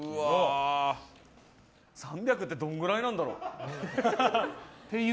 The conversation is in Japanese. ３００ｇってどんぐらいなんだろう。